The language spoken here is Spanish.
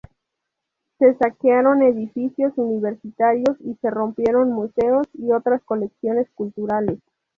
Se saquearon edificios universitarios y se rompieron museos y otras colecciones culturales.